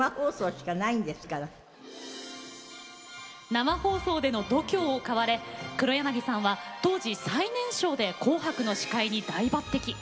生放送での度胸を買われ黒柳さんは当時、最年少で「紅白」の司会に大抜てき。